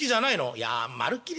「いやまるっきり